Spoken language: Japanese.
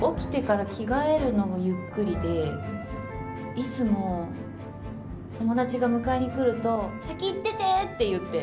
いつも、友達が迎えに来ると先行っててって言って。